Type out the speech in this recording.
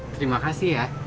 terima kasih ya